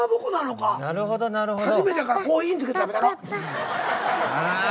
なるほどなるほど。